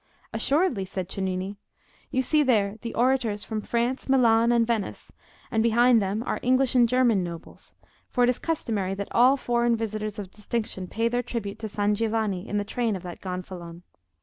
"Assuredly," said Cennini; "you see there the Orators from France, Milan, and Venice, and behind them are English and German nobles; for it is customary that all foreign visitors of distinction pay their tribute to San Giovanni in the train of that gonfalon.